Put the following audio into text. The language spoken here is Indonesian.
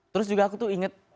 terus juga aku tuh inget